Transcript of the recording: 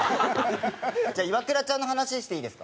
じゃあイワクラちゃんの話していいですか？